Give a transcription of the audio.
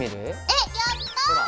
えっやったぁ！